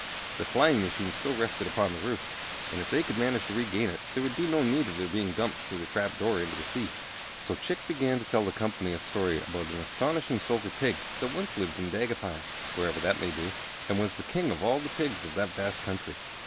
The flying machine still rested upon the roof, and if they could manage to regain it there would be no need of their being dumped through the trap door into the sea. So Chick began to tell the company a story about an astonishing Silver Pig that once lived in Dagupan (wherever that may be), and was the king of all the pigs of that vast country.